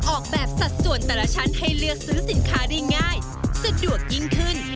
ออกแบบสัดส่วนแต่ละชั้นให้เลือกซื้อสินค้าได้ง่ายสะดวกยิ่งขึ้น